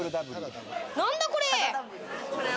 何だこれ。